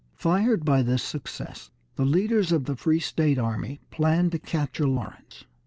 Fired by this success, the leaders of the free state army planned to capture Lawrence.